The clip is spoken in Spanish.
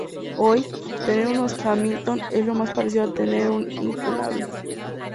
Hoy, tener unos Hamilton es lo más parecido a tener un incunable.